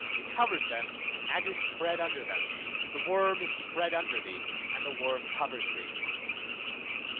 it covers them and is spread under them, the worm is spread under thee, and the worm covers thee.